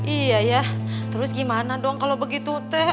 iya ya terus gimana dong kalau begitu teh